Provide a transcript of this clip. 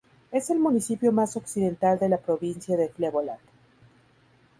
Es el municipio más occidental de la provincia de Flevoland.